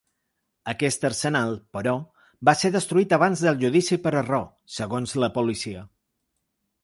Aquest arsenal, però, va ser destruït abans del judici per error, segons la policia.